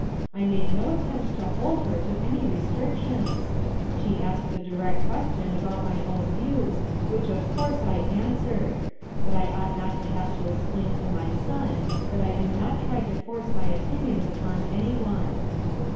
I made no attempt to hold her to any restrictions, She asked a dire question about my own views, which, of cour* I answered. But I ought not to have to expl^ to my son that I do not try to force my opinion upon any one."